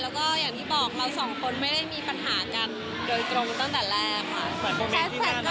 แล้วก็อย่างที่บอกเราสองคนไม่ได้มีปัญหากันโดยตรงตั้งแต่แรกค่ะ